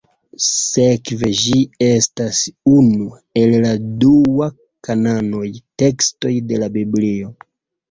Sekve ĝi estas unu el la dua-kanonaj tekstoj de la Biblio.